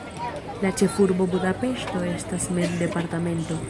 La ĉefurbo Budapeŝto estas mem departemento.